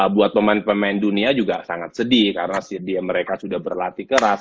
buat pemain pemain dunia juga sangat sedih karena mereka sudah berlatih keras